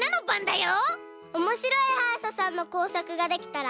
おもしろいはいしゃさんのこうさくができたら。